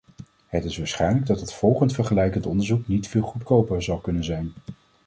Het is waarschijnlijk dat het volgende vergelijkend onderzoek niet veel goedkoper zal kunnen zijn.